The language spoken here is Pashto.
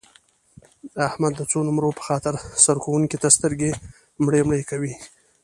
د احمد د څو نمرو په خاطر سرښوونکي ته سترګې مړې مړې کوي.